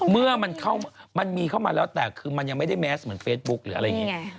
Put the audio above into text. เมื่อมันมีเข้ามาแล้วแต่คือมันยังไม่ได้แมสเหมือนเฟซบุ๊คหรืออะไรอย่างนี้